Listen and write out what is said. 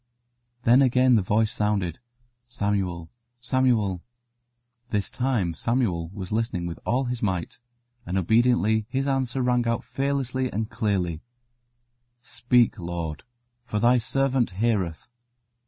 Then again the voice sounded: "Samuel, Samuel." This time Samuel was listening with all his might, and obediently his answer rang out fearlessly and clearly "Speak, Lord, for Thy servant heareth."